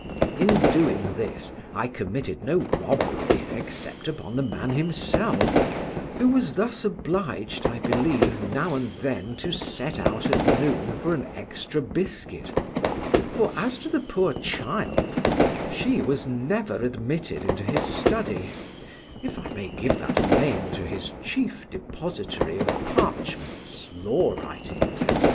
In doing this I committed no robbery except upon the man himself, who was thus obliged (I believe) now and then to send out at noon for an extra biscuit; for as to the poor child, she was never admitted into his study (if I may give that name to his chief depository of parchments, law writings, &c.)